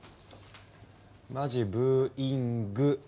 まじブーイング。